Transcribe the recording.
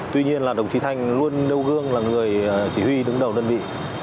tuy nhiên là đồng chí thanh luôn đeo gương là người chỉ huy đứng đầu đơn vị